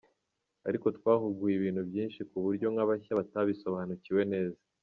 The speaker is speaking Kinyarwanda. Ariko twahuguwe ibintu byinshi ku buryo nk’abashya batabisobanukiwe neza.